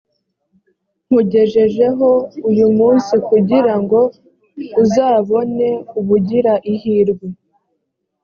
nkugejejeho uyu munsi kugira ngo uzabone ubugira ihirwe,